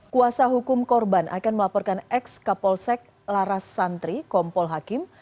kuasa hukum korban akan melaporkan ex kapolsek laras santri kompol hakim